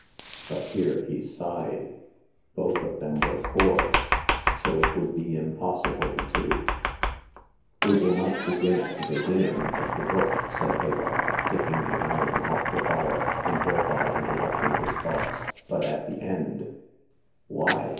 But here he sighed; both of them were poor, so it would be impossible to " We will not begin at the beginning of the book," said Hagar, taking the iron off the fire, and thereby interrupting his thoughts, but at the end." "Why?"